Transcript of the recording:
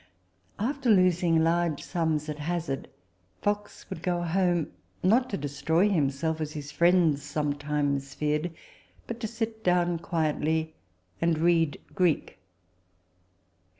After losing large sums at hazard, Fox would go home not to destroy himself, as his friends sometimes feared, but to sit down quietly, and read Greek.